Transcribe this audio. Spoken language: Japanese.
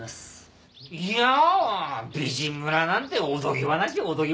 いや美人村なんておとぎ話おとぎ話。